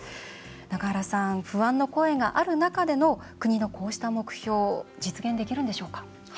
中原さん、不安の声がある中での国のこうした目標実現できるんでしょうか？